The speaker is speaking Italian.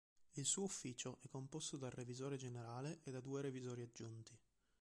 Il suo ufficio è composto dal revisore generale e da due revisori aggiunti.